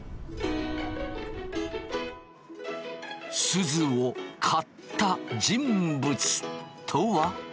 すずを買った人物とは。